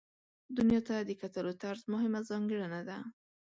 دنیا ته د کتلو طرز مهمه ځانګړنه ده.